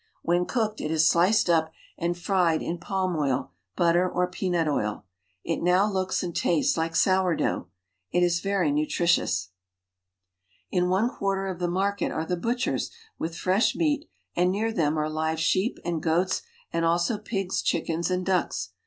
When cooked, it is sliced up and fried in palm oil, butter, or peanut oil. It now looks and tastes like sour dough. It is very nutritious. In one quarter of the market are the butchers with fresh meat, and near them are live sheep and goats and also pigs, chickens, and ducks.